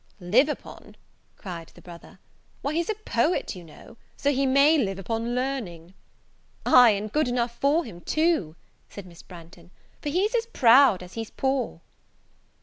"Live upon!" cried the brother; "why, he's a poet, you know, so he may live upon learning." "Aye, and good enough for him, too," said Miss Branghton; "for he's as proud as he's poor."